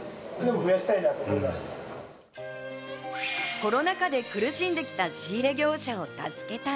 コロナ禍で苦しんできた仕入れ業者を助けたい。